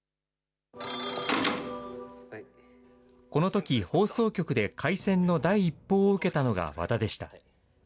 このとき、放送局で開戦の第一報を受けたのが和田でした。